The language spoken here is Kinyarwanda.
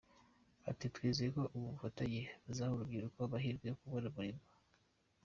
Ati “Twizeye ko ubu bufatanye buzaha urubyiruko amahirwe yo kubona imirimo.